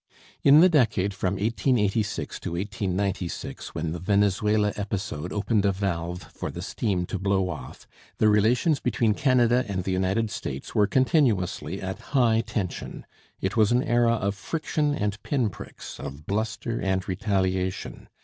In the decade from 1886 to 1896, when the Venezuela episode opened a valve for the steam to blow off, the relations between Canada and the United States were continuously at high tension. It was an era of friction and pinpricks, of bluster and retaliation.